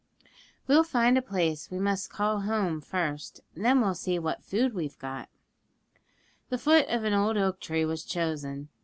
'We'll find a place we must call home first, and then we'll see what food we've got.' The foot of an old oak tree was chosen.